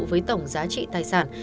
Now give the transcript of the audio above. với tổng giá trị tài sản